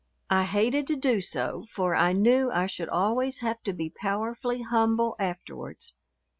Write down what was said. I hated to do so, for I knew I should always have to be powerfully humble afterwards.